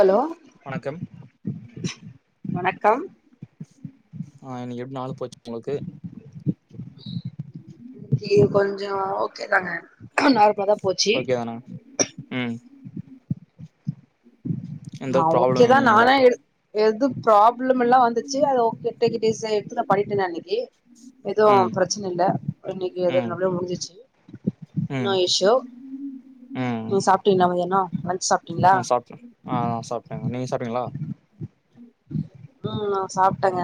Hello வணக்கம் வணக்கம் ஆ இன்னக்கி எப்டி நாள் போச்சு உங்களுக்கு இன்கி கொஞ்சோ ஓகே தாங்க நார்மாதா போச்சு ஓகே தானா? ம் எந்த ஆ ப்ராப்ளமு ஓகேதா இல்லைங்களா? நானா எடுத் எதும் ஃப்ராப்ளமெல்லா வந்துச்சு அது ஓகே டேக் இட் ஈஸியா எடுத்து நா பண்ணிட்டே நானு எ எதுவு ம் ப்ரச் சச்ன இல்ல இன்னைக்கு ம் எதுனாலு முடிஞ்சுச்சு நோ ம் இஷு ம் சாப்ட்டீனா அவுங்க என்னாகு லஞ்ச் சாப்டு ம் சாப்டங்க ஆ ஆ சாப்டங்க நீங்க சாப்டிங்ளா ம் நா சாப்ட்டங்க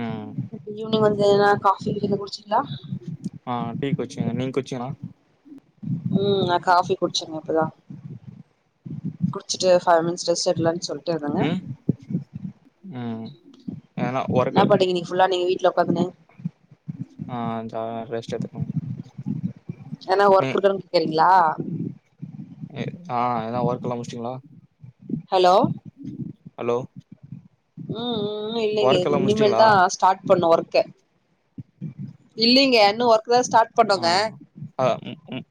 ம் ஈவினிங் வந்து எதுனா காபி கிபி குடிச்சுட் லா ஆ டீ குச்சேங்க நீங்க குச்சீங்களா ம் நா காபி குடுச்சேங்க இப்பதா குடுச்சுட்டு ஃபைவ் மினிட்ஸ் ரெஸ்ட் எடுக்கலான் சொல்ட்டு இருந்தங்க ம் ம் ஏன்னா என்ன ஒர்க்கு பண்ணீங்க இன்னைக்கு ஃபுல்லா நீங்க வீட்ல உக்காந்துனு மா ஆ ஆ [unintelligible] ரெஸ்ட் எடுக்கனு என்னா ஒர்க் இருக்குறன் தெரியுங்ளா எ ஆ எதனா ஒர்க்குல்லா முடுச்டீங்ளா ஹலோ ஹலோ ம் ம் இல்லைங்க ஒர்க் எல்லா இனிமேல் முடிச்சிட்டீங்களா? தா ஸ்டாட் பண்ணு ஒர்க்கே இல்லிங்க இன்னு ஒர்க் தா ஸ்டாட் ஆ பண்ணுங்க ஆ ம் ம்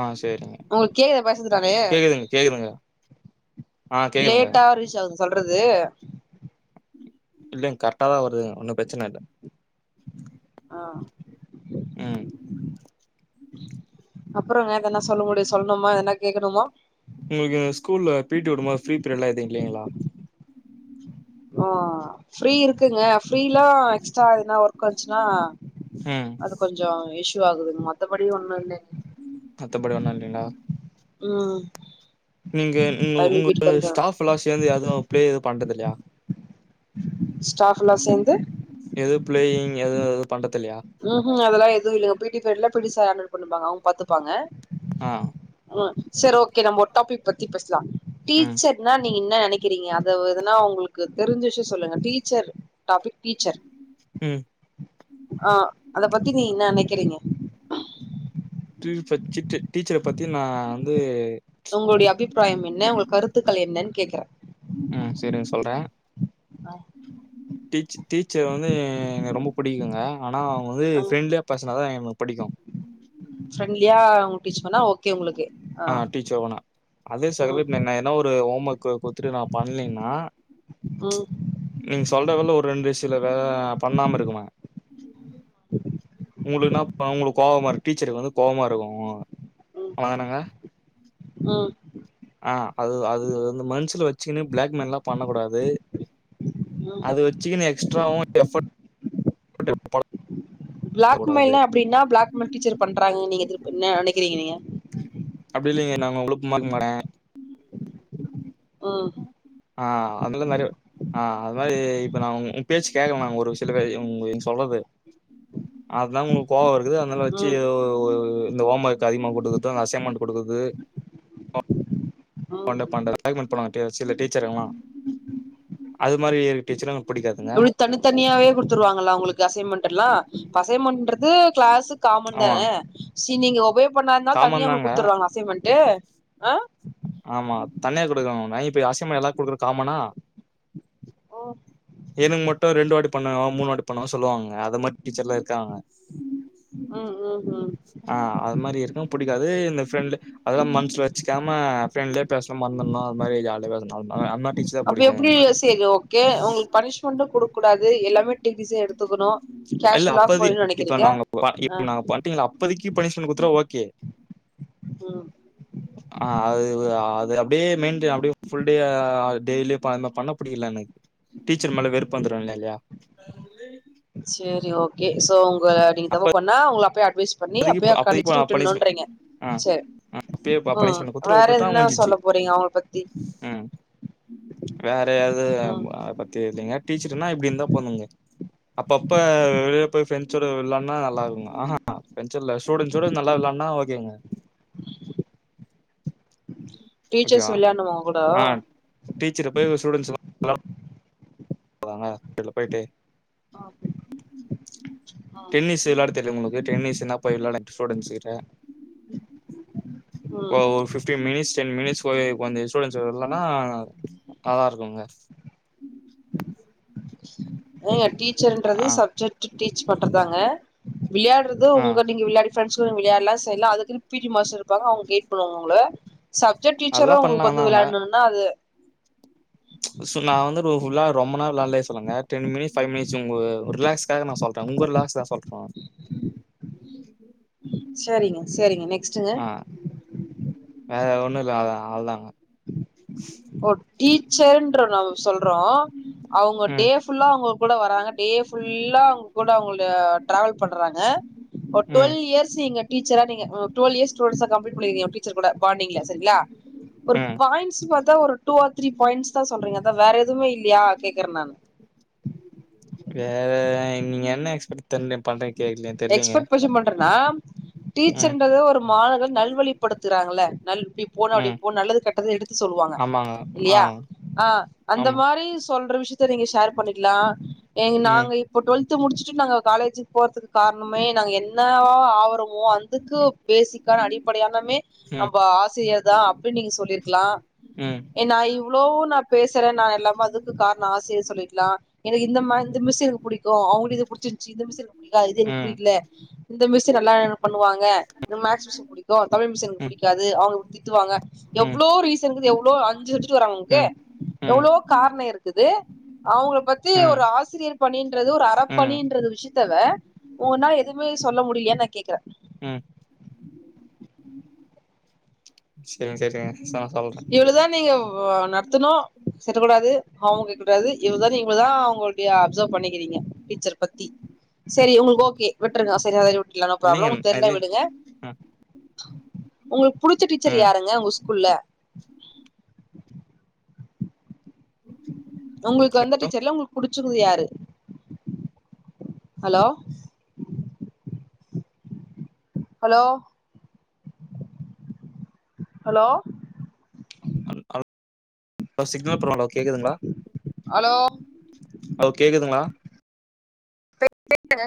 ஆ சேரிங்க உங்களுக்கு கேக்குதா பேசுறது நானு கேக்குதுங்க கேக்குதுங்க ஆ கேக்குதுங்க. லேட்டா ரீச்சாவுதுங் சொல்றது இல்லங் கரெக்டா தா வருதுங்க ஒன்னு பிரச்சன இல்ல ஆ ம் அப்றோ வேறெதுன சொல்ல முடியு சொல்னுமா எதுன கேக்கனுமா உங்களுக்கு ஸ்கூல்ல பீ டி ஒடும் போது ஃப்ரீ பீரியட்லா எது இல்லைங்களா ஆ ஃப்ரீ இருக்குங்க அ ஃப்ரீல்லா எக்ஸ்ட்ரா எதுனா ஒர்க் வந்த்ச்னா ம் அது கொஞ்சோ இஷூ ஆகுதுங் மத்தபடி ஒண்ணு இல்லங்க மத்தபடி ஒண்ணு இல்லைங்ளா ம் நீங்க ம் டைமிங்க்கு உங்க வீட்டுக்கு வந்துருவ ஸ்டாப்லா சேந்து எதுவு பிளே எது பண்றதில்லையா ஸ்டாஃப்லா சேந்து எதோ பிளேயிங் எது எது பண்றத்தில்லையா ம் ஹூம் அதெல்லா எதுவு இல்லங்க பீ டி பிரிட்ல பீ டி சார் ஆன்டில் பன்னிப்பாங்க அவுங் பாத்துப்பாங்க ஆ அ செர் ஓகே நம்ம ஒரு டாபிக் பத்தி பேஸ்லா ம் டீச்சர்னா நீங்க இன்னா நெனைக்கிறீங்க ஆ தாவதுனா உங்களுக்கு தெரிஞ்சிச்சு சொல்லுங்க டீச்சர் டாபிக் டீச்சர் ம் ஆ அத பத்தி நீ இன்னா நெக்கிறீங்க டீவ பச்சிட்டு டீச்சர பத்தி நா வந்து உங்களுடைய அபிப்ராயம் என்ன உங்கள் கருத்துக்கள் என்னன் கேக்கற ம் செரிங்க சொல்ற ஆ டீச் டீச்சர் வந்து எனக் ரொம்ப புடிக்குங்க ஆனா அவுங்க வந்து ஆ ஃபெரெண்ட்லியா பேசனா தா எனக்கு புடிக்கு ஃப்ரெண்ட்லியா உங்களுக் டீச் பண்ணா ஓகே உங்களுக்கு ஆ டீச்சர் போனா அதே ம் செகரட் னான்ன என்ன ஒரு ஹோம் ஒர்க்கு குடுத்துட்டு நா பண்லீனா ம் நீங்க சொல்றதுல ஒரு ரெண்டு விசில வேல பண்ணாம இருக்குமா சரி உங்களுக் இன்னா பா உங்களுக் கோவமாரு டீச்சருக்கு வந்து கோவமா இருக்கு ம் ஆமாதானங்க ம் ஆ அது அது வந்து மன்ஷுல வச்கினு பிளாக் மெயில்லா பண்ணக்க கூடாது ம் அது வச்சுகீனு எக்ஸ்ட்ராவு பிளாக் போடக்கூடாது. மெயில்னா அப்டி என்னா பிளாக்மெல் டீச்சர் பண்றாங்க நீங்க எதிர்ப் என்ன நெனைக்கிறீங்க நீங்க அப்டி இல்லைங்க நாங்க உங்ளுக் மாக் மாடே ம் ஆ அதுல நெறைய ஆ அது மாரி இப்ப நா உங் உ பேச்சி கேக்க நாங்க ஒரு சில பேரியு உங்கயின் சொல்றது அதா உங்களுக்கு கோவ இருக்குது அதனால வச்சு ம் இந்த ஓமர்க் அதிகமா குடுக்கர்து அசைமெண்ட் குடுக்கர்து ம் பண்ட பண்றது பிளாக்மெய்ல் பண்ணுவாங்க டே சில டீச்சரு இவங்ல்லா அது மாரி டீச்சர்லா புடிக்காதுங்க தனித் தனியாவே குடுத்துருவாங்களா உங்களுக்கு அசைமெண்ட் எல்லா அசைமென்றத் து கிளாஸு காமன் ஆமா. தான சி நீங்க ஒபே பண்ணாதா தனியா காமன் உங்களுக் தாங்க. குடுத்துராங்க அசைமென்ட்டு ஆ ஆமா தனியா குடுக்க வேனா இப்பயே அசைமே எல்லா குடுக்கறக் காமனா ஓ எனக் மட்டு ரெண்டு வாட்டி பண்ணவா மூணு வாட்டி பண்ணவான் சொல்லுவாங்க அத மாரி டீச்சர்லா இருக்காங்க ம் ம் ம் ஆ அது மாரி இருக்கவு புடிக்காது இந்த ஃபிரெண்ட் அதெல்லா மனசுல வச்சுக்காம இல்லே பேச மறந்துனா ஒரு மாரி ஜாலியா [unintelligible] ஆ அது மாரி டீச்சர் தா அப்ப புடிக்கு எப்டி எனக்கு சேரி ஓகே உங்ளுக் பனிஷ்மென்ட்டு குடுக் கூடாது எல்லாமே டேக் ஈசியா எடுத்துக்குனு கேஷ்வலா ஃபுல் நெனக்கிறிங்க பா இப்ப நா பா இப்பதிக்கு பனிஷ்மென்ட் குடுத்துட்ட ஓகே ம் ஆ அது அது அப்டியே மெயின்டென் அப்டியே ஃபுல்டே அ அ அது டெய்லியு பா பண்ண புடிக்ல எனக்கு டீச்சர் மேல வெறுப்பு வந்துரு இல்ல இல்லயா அ சேரி ஓகே சோ உங்க நீங்க அப்ப தப்ப பண்ணா உங்க அப்யே அட்வைஸ் பண்ணி அப்பதைக்கு அப்பயே அக் அப்பதைக்கு அச்சிட்டு பனிஷ்மெண்ட் உட்டுன்னுன்றிங்க ஆ சேரி அப்பயே ம் பனிஷ்மெண்ட் குடுத்துட்டு வேற வுட்டுட்டா எதுனா முஞ்சிச்சு சொல்ல போறீங்க அவங்க பத்தி ம் வேற ஏது ம் அத பத்தி இல்லைங்க டீச்சர்னா இப்டி இருந்தா பண்ணுங்க அப்ப அப்ப வெளில போய் ஃப்ரெண்ட்சோட வெள்ளானா நல்லாருக்குங்க ஆ ஹா ஃப்ரெண்ட்ஸ் இல்ல ஸூடென்ட்ஸ்சோட நல்லா வெள்ளானா ஓகேங்க டீச்சர்ஸ் ஓகேவா விளையாட்ணுமா உங்க ஆ கூட டீச்சர போய் ஒரு ஸ்டுடென்ஸ் [inaudible] போய்ட்டு ஆமா ஆ டென்னிஸ் வெள்ளாட தெரியு உங்களுக்கு டென்னிஸ்னா போயி வெள்ளாட [inaudible] ஓ ம் ஒரு fifteen minutes ten minutes [unintelligible] கொஞ்சோ அந்த ஸ்டூடஸ் இல்லன்னா நல்லாருக்குங்க ஏங்க டீச்சர்ன்றது ஆ, சப்ஜெக்ட் டீச் பன்றதாங்க வியாட்றது ஆ உங்க நீங்க விளயாடி ஃபிரண்ஸ்சு கூட வியாட்லா சே இல்ல அதுக்குனு பீடி மாஸ்டர் இருப்பாக அவங்க கெயிட் பண்ணுவாங்க உங்கள சப்ஜெக்ட் டீச்சரு அதெல்லாம் உங்களுக்கு வந்து பண்லாம்னாங்க. விளயாட்ணுனா அது சோ நா வந்து இப்ப ஃபுல்லா ரொம்பனா விளாலே சொல்லங்க டென் மிட்ஸ் ஃபைவ் மிட்ஸ் உங்க ரிலாக்ஸ் காக நா சொல்றே உங்க ரிலாக்ஸா சொல்றே சரிங்க சேரிங்க நெக்ஸ்ட்டுங்க ஆ. வேற ஒன்னு இல்ல அதா அவ்ளதாங்க ஓ டீச்சர்ன்ற [unintelligible] சொல்றோ அவங்க டே ம் ஃபுல்லா ஒங்க கூட வராங்க டே ஃபுல்லா ஒங் கூட அவங்கல டிராவல் பண்றாங்க ஒரு ம் டுவல் இயர்ஸ் நீங்க டீச்சரா நீங்க அ டுவல் இயர்ஸ் ஸ்டுடென்ஸா கம்ப்ளீட் [unintelligible] டீச்சர் கூட பான்டிங்ல சரிங்ளா ஒரு ம் பாயிண்ட்ஸ் பாத்தா ஒரு டூ ஆர் த்ரீ பாயிண்ட்ஸ் தா சொல்றீங்க அதா வேற எதுமே இல்லயா கேக்ற நானு வேற நீங்க என்ன எக்ஸ்பெக்ட் தேன்னே பண்ற கேக்ல தெர்லிங்க [inaudible] பண்றனா டீச்சர்ன்றது ஒரு மாணவர் நல்வழிப்படுத்துறாங்ல நல் இப்டி போ அப்டி ம் போ நல்லது கேட்டது எடுத்து சொல் சொல்வாங்க ஆமாங்க ஆ இல்லியா ஆ அந்த ஆமா மாரி சொல்ற விஷயத்த நீங்க ஷேர் பண்ணிக்லா எங் ம் நாங்க இப்போ டுவெல்த்து முடிச்சிட்டு நாங்க காலேஜுக்கு போறத்துக்கு காரணமே நாங்க என் என்னவோ ஆவுரமோ அந்துக்கு ம் பேசிக்கான அடிப்படையானமே ம் நம்ம ஆசிரியர் தா அப்டின் நீங்க சொல்லிர்க்லா ம் ஏனா இவ்ளவு நா பேசுற நா எல்லாம அதுக்கு காரணோ ஆசிரியர் சொல்லிர்கலா எனக்கு இந்தமா இந்த மிஸ் எனக்கு புடிக்கு அவுங்களுக் இத புடிச்சிந்துச்சி இந்த மிஸ் எனக் புடிக்காது இது எனக் ம் புடிக்ல இந்த மிஸ்சு நல்லா இன் பண்ணுவாங்க இந்த மேக்ஸ் மிஸ்சு புடிக்கு தமிழ் மிஸ் எனக்கு ம் புடிக்காது அவங்க இப் திட்டுவாங்க ம் எவ்ளோ ரீசன் இக்குது எவ்ளோ அஞ்சு சப்ஜெக்ட் வராங்க உங்குக்கு ம் எவ்ளோ கார்ண இருக்குது அவங்கள பத்தி ம் ஒரு ஆசிரியர் பணின்றது ஒரு அற ம் பணின்றது விஷயத்தவ ஓனா எதுவுமே சொல்ல முடிலயா நா கேக்றே ம் செரிங்க செரிங்க [unintelligible] சொல்ற இவ்ளதா நீங்க வ நடத்னு [unintelligible] கூடாது அவ்ங்க [unintelligible] கூடாது இவ்ள நீ இவ்ள தா உங்களு டியா அப்ஸவ் பண்ணிக்கிறீங்க பீச்சர் பத்தி சேரி உங்களுக்கு ஓகே விட்டுருங்க சேரி அத ட்லதா இல்லைங்க ப்ராப்ளம் தெர்ல இல்லைங் விடுக ம் உங்குளுக் புடிச்ச டீச்சர் ம் யாருங்க உங்க ஸ்கூல்ல [inaudible] உங்குளுக் வந்த டீச்சர்ல உங்குளுக் புடிச்சவங்க யாரு hello hello hello hello hello hello signal problem கேக்குதுங்ளா ஹலோ ஹலோ கேக்குதுங்ளா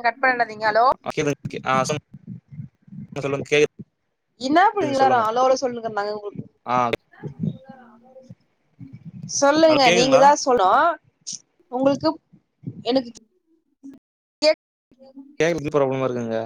கட் பண்ணிடாதீங்க ஹலோ ஆ கே [inaudible] இன்னா பண்ணி இவ்நேரோ அலோ அலோ சொல்லுட்றுக நாங்க உங்ளுக்கு ஆ ஹலோ சொல்லுங்க கேக்குதுங்களா நீங்கதா சொல்னு உங்ளுக்கு [unintelligible] கேக்குறதுக்கு ப்ராப்ளமா இருக்காங்க